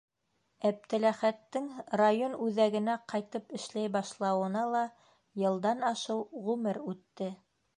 Әптеләхәттең район үҙәгенә ҡайтып эшләй башлауына ла йылдан ашыу ғүмер үтте.